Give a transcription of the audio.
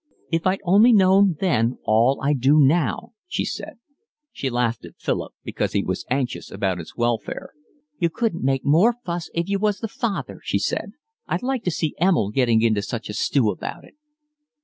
"If I'd only known then all I do now," she said. She laughed at Philip, because he was anxious about its welfare. "You couldn't make more fuss if you was the father," she said. "I'd like to see Emil getting into such a stew about it."